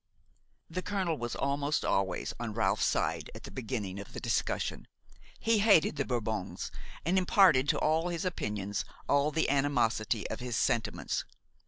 The colonel was almost always on Ralph's side at the beginning of the discussion. He hated the Bourbons and imparted to all his opinions all the animosity of his sentiments.